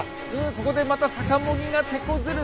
ここでまたさかも木がてこずる。